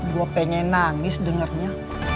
gua pengen nangis dengarnya